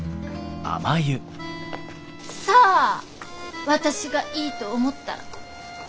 「さあ私がいいと思ったら」。